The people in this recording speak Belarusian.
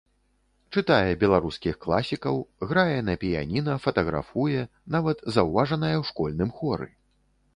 Чытае беларускіх класікаў, грае на піяніна, фатаграфуе, нават заўважаная ў школьным хоры.